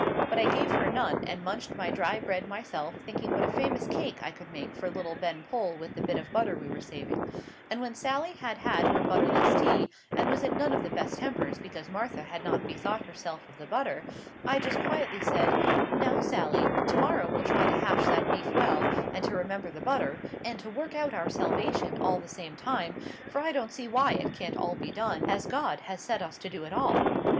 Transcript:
But I gave her none, and munched my dry bread myself, thinking what a famous cake I could make for little Ben Pole with the bit of butter we were saving; and when Sally had had her butterless tea, and was in none of the best of tempers because Martha had not bethought herself of the butter, I just quietly said— "'Now, Sally, to morrow we'll try to hash that beef well, and to remember the butter, and to work out our salvation all at the same time, for I don't see why it can't all be done, as God has set us to do it all.